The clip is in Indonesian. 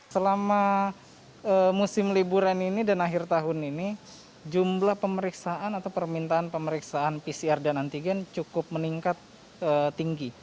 selama musim liburan ini dan akhir tahun ini jumlah pemeriksaan atau permintaan pemeriksaan pcr dan antigen cukup meningkat tinggi